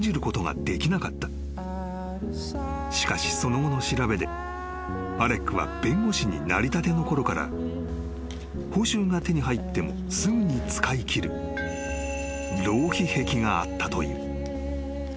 ［しかしその後の調べでアレックは弁護士になりたてのころから報酬が手に入ってもすぐに使いきる浪費癖があったという］